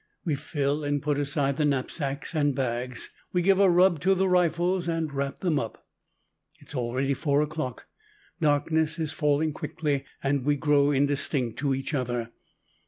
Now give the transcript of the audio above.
We fill and put aside the knapsacks and bags. We give a rub to the rifles and wrap them up. It is already four o'clock. Darkness is falling quickly, and we grow indistinct to each other.